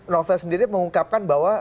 novel sendiri mengungkapkan bahwa